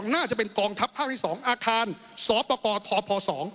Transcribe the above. น่าจะเป็นกองทัพ๕๒อาคารศปธภ๒